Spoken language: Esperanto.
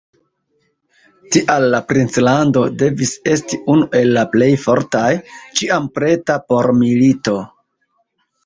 Tial la princlando devis esti unu el la plej fortaj, ĉiam preta por milito.